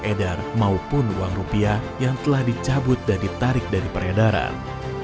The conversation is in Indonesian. edar maupun uang rupiah yang telah dicabut dan ditarik dari peredaran